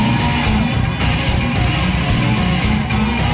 หมวกปีกดีกว่าหมวกปีกดีกว่า